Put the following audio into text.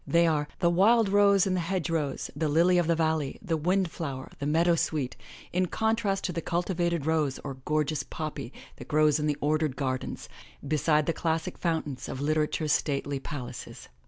They are the wild rose in the hedge rows, the lily of the valley, the wind flower, the meadowsweet, in contrast to the cultivated rose or gorgeous poppy that grows in the ordered gardens, beside the classic fountains of Literature's stately palaces."